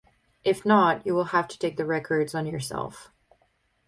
If not, you'll have to take the records on yourself.